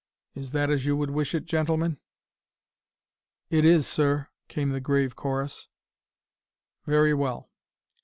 Is that as you would wish it, gentlemen?" "It is, sir!" came the grave chorus. "Very well.